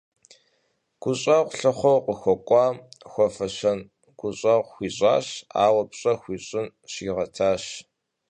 Гущӏэгъу лъыхъуэу къыхуэкӏуам хуэфащэн гущӏэгъу хуищӏащ, ауэ пщӏэ хуищӏын щигъэтащ.